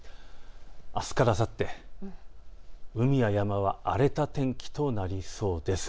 あすからあさって、海や山は荒れた天気となりそうです。